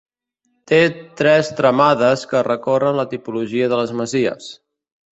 Té tres tramades que recorden la tipologia de les masies.